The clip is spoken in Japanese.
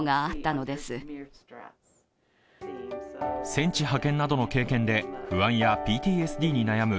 戦地派遣などの経験で不安やＰＴＳＤに悩む